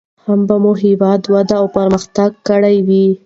هم به مو هېواد وده او پرمختګ کړى و.